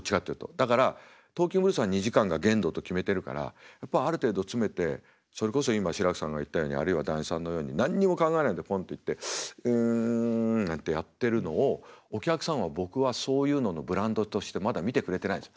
だから「トーキングブルース」が２時間が限度と決めてるからやっぱある程度詰めてそれこそ今志らくさんが言ったようにあるいは談志さんのように何にも考えないでポンと行って「うん」なんてやってるのをお客さんは僕はそういうののブランドとしてまだ見てくれてないんです。